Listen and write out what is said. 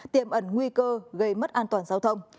tiềm ẩn nguy cơ gây mất an toàn giao thông